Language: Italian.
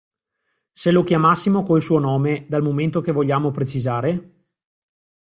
Se lo chiamassimo col suo nome, dal momento che vogliamo precisare?